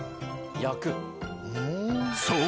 ［そう。